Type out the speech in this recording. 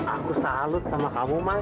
aku salut sama kamu mah